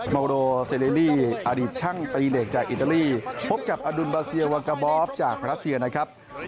โมโรเซเลลี่อดีตช่างตีเหล็กจากอิตาลีพบกับอดุลบาเซียวากาบอฟจากรัสเซียนะครับ